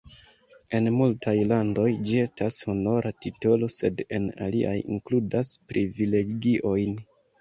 En multaj landoj, ĝi estas honora titolo, sed en aliaj inkludas privilegiojn.